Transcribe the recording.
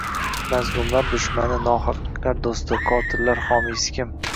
Mazlumlar dushmani, nohaqlikning do’sti, qotillar homiysi kim?